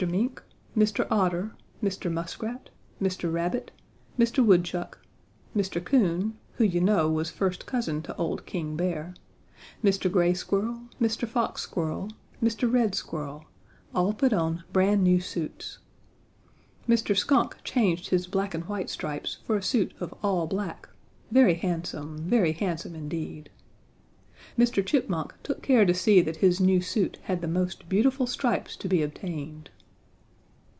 Mink, Mr. Otter, Mr. Muskrat, Mr. Rabbit, Mr. Woodchuck, Mr. Coon, who you know was first cousin to old King Bear, Mr. Gray Squirrel, Mr. Fox Squirrel, Mr. Red Squirrel, all put on brand new suits. Mr. Skunk changed his black and white stripes for a suit of all black, very handsome, very handsome indeed. Mr. Chipmunk took care to see that his new suit had the most beautiful stripes to be obtained.